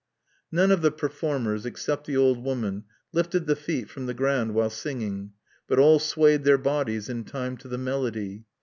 "None of the performers, except the old woman, lifted the feet from the ground while singing but all swayed their bodies in time to the melody.